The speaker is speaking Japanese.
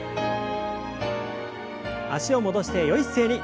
脚を戻してよい姿勢に。